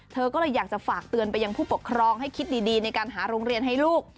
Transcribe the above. เธอก็เลยอยากจะฝากเตือนไปยังผู้ปกครองให้คิดดีในการหาโรงเรียนให้ลูก